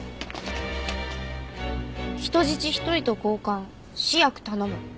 「人質１人と交換試薬頼む」